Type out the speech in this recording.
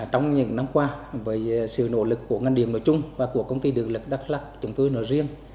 trong những năm qua với sự nỗ lực của ngành điện nói chung và của công ty điện lực đắk lắc chúng tôi nói riêng